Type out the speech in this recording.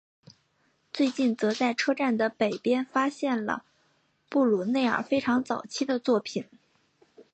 最近则在车站的北边发现了布鲁内尔非常早期的作品。